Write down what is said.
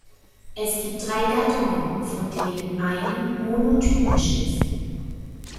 Es gibt drei Gattungen, von denen eine monotypisch ist.